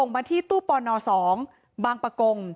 มาที่ตู้ปน๒บางประกง